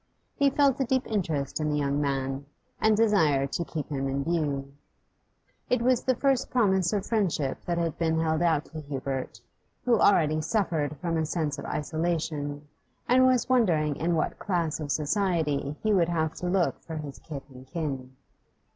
He felt a deep interest in the young man, and desired to keep him in view. It was the first promise of friendship that had been held out to Hubert, who already suffered from a sense of isolation, and was wondering in what class of society he would have to look for his kith and kin.